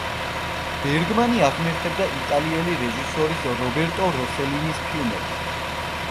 ბერგმანი აღმერთებდა იტალიელი რეჟისორის რობერტო როსელინის ფილმებს.